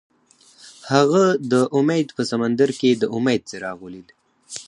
هغه د امید په سمندر کې د امید څراغ ولید.